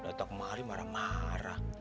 dari takut kemahari marah marah